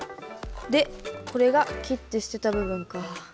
でこれが切って捨てた部分か。